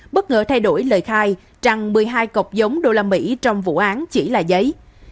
bất ngờ thay đổi lời khai rằng một mươi hai cọc giống đô la mỹ trong vụ án chỉ là giấy